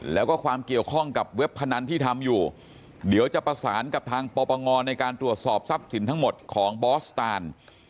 แล้วก็ความเกี่ยวข้องกับเว็บพนันที่ทำอยู่เดี๋ยวจะประสานกับทางปปงในการตรวจสอบทรัพย์สินทั้งหมดของบอสตาน